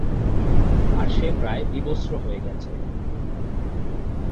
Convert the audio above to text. আর সে প্রায় বিবস্ত্র হয়ে গেছে।